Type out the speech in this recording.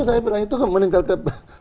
saya bilang itu meninggal ke